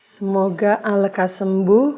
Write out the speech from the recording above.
semoga alaka sembuh